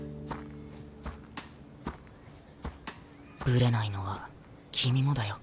ブレないのは君もだよ冨樫。